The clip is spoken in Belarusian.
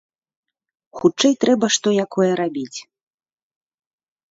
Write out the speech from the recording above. Хутчэй трэба што якое рабіць.